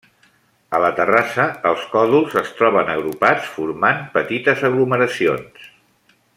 A la terrassa, els còdols es troben agrupats formant petites aglomeracions.